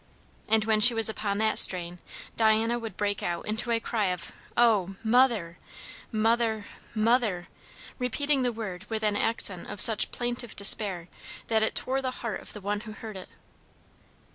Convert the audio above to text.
And when she was upon that strain, Diana would break out into a cry of "O, mother, mother, mother!" repeating the word with an accent of such plaintive despair that it tore the heart of the one who heard it.